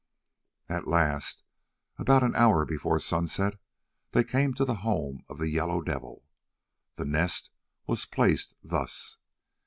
At last, about an hour before sunset, they came to the home of the Yellow Devil. The Nest was placed thus.